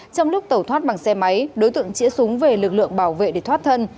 trong lúc tẩu thoát bằng xe máy đối tượng cha súng về lực lượng bảo vệ để thoát thân